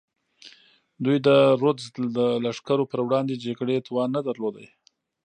دوی د رودز د لښکرو پر وړاندې جګړې توان نه درلود.